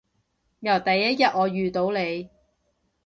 由第一日我遇到你